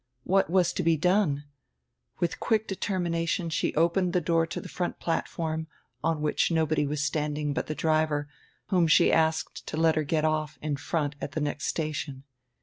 What was to be done? With quick determination she opened the door to the front platform, on which nobody was standing but the driver, whom she asked to let her get off in front at the next station.